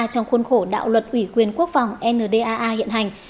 trong khuôn khổ đạo luật ủy quyền quốc phòng ndaa hiện hành